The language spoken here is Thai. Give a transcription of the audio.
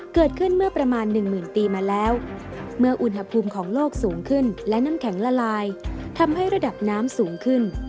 เกิดขึ้นเมื่อประมาณหนึ่งหมื่นปีมาแล้วเมื่ออุณหภูมิของโลกสูงขึ้นและน้ำแข็งละลายทำให้ระดับน้ำสูงขึ้น